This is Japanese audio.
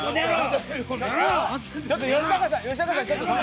ちょっと吉高さん！